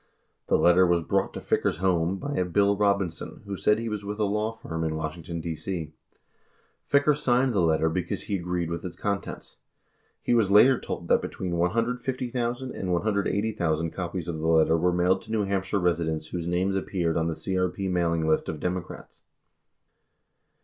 The letter was brought to Ficker's home by a "Bill Robinson," who said he was with a law firm in Washington, D.C. 61 Ficker signed the letter because he agreed with its contents. He was later told that between 150,000 and 180,000 copies of the letter were mailed to New Hampshire residents whose names appeared on the CRP mailing list of Democrats.